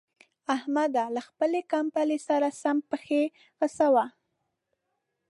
احمده! له خپلې کمبلې سره سمې پښې غځوه.